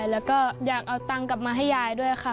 แล้วก็อยากเอาตังค์กลับมาให้ยายด้วยค่ะ